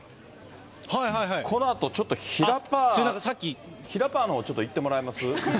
このあとちょっと、ひらパーのほう、ちょっと行ってもらえます？